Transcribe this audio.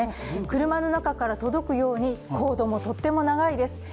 車の中から届くように、コードもとっても長いです。